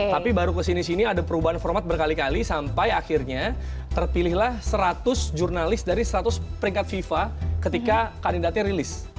tapi baru kesini sini ada perubahan format berkali kali sampai akhirnya terpilihlah seratus jurnalis dari seratus peringkat fifa ketika kandidatnya rilis